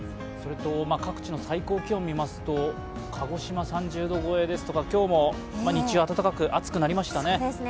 各地の最高気温を見ますと、鹿児島は３０度超えですとか今日も日中暑くなりましたね。